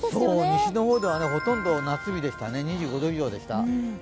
西の方ではほとんど夏日でした、２５度以上でした。